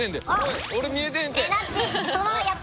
俺見えてへんて！